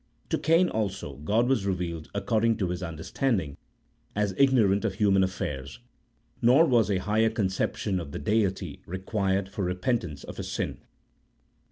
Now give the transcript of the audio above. To Cain also God was revealed, according to his understanding, as igno rant of human affairs, nor was a higher conception of the Deity required for repentance of his sin.